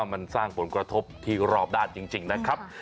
มันสร้างผลกระทบที่รอบด้านจริงนะครับ